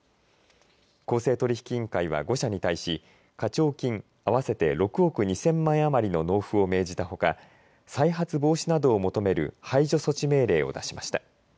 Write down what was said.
公正取引委員会は５社に対し課徴金合わせて６億２０００万円余りの納付を命じたほか再発防止などを求める排除措置命令を出しました。